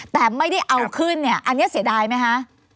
แต่ไม่ได้เอาขึ้นเนี่ยอันนี้เสียดายไหมคะ